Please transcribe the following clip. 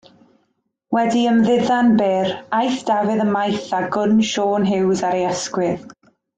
Wedi ymddiddan byr, aeth Dafydd ymaith â gwn Siôn Huws ar ei ysgwydd.